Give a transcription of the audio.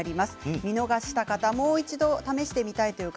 見逃した方、もう一度試してみたいという方